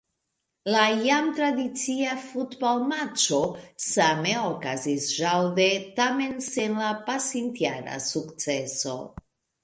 La jam tradicia futbalmaĉo same okazis ĵaŭde, tamen sen la pasintjara sukceso.